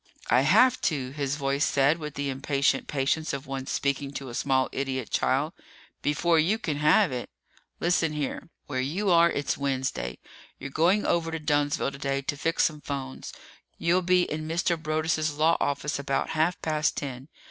"I have to," his voice said with the impatient patience of one speaking to a small idiot child, "before you can have it. Listen here. Where you are, it's Wednesday. You're going over to Dunnsville today to fix some phones. You'll be in Mr. Broaddus' law office about half past ten.